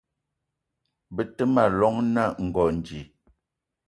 Be te ma llong na Ngonj